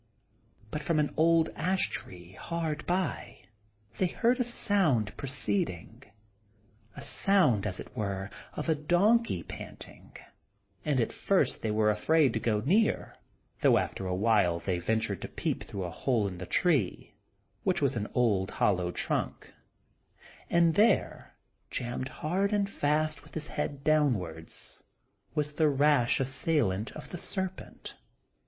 But from an old ash tree hard by they heard a sound proceeding, a sound, as it were, of a donkey panting; and at first they were afraid to go near, though after a while they ventured to peep through a hole in the tree, which was an old hollow trunk; and there, jammed hard and fast with his head downwards, was the rash assailant of the serpent.